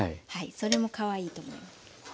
それもかわいいと思います。